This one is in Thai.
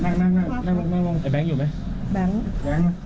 แบงค์อยู่ไหมนั่งลุกลงแบงค์อยู่ไหมแบงค์